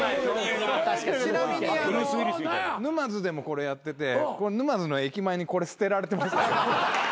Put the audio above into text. ちなみに沼津でもこれやってて沼津の駅前にこれ捨てられてました。